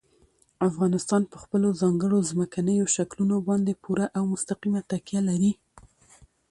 افغانستان په خپلو ځانګړو ځمکنیو شکلونو باندې پوره او مستقیمه تکیه لري.